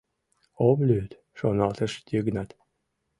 «Ом лӱд, — шоналтыш Йыгнат.